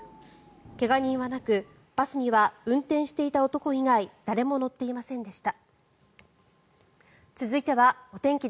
怪我人はなくバスには運転していた男以外誰も乗っていませんでした。